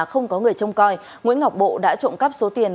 không có người trông coi nguyễn ngọc bộ đã trộm cắp số tiền